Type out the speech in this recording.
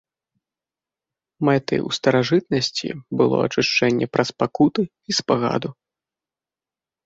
Мэтай у старажытнасці было ачышчэнне праз пакуты і спагаду.